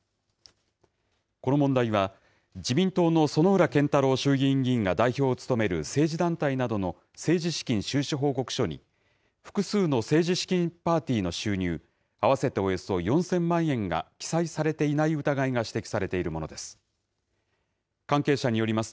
この問題は、自民党の薗浦健太郎衆議院議員が代表を務める政治団体などの政治資金収支報告書に、複数の政治資金パーティーの収入合わせておよそ４０００万円が記載されていない疑いが指摘されているものです。